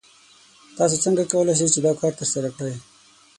تاسو څنګه کولی شئ چې دا کار ترسره کړئ؟